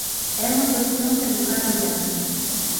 É unha cuestión de educar a ollada.